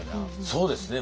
そうですね。